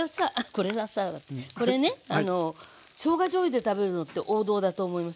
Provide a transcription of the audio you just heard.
これがさこれねしょうがじょうゆで食べるのって王道だと思いません？